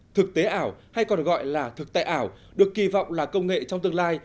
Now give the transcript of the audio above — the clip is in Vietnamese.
thực tế ảo hay còn gọi là thực tại ảo được kỳ vọng là công nghệ trong tương lai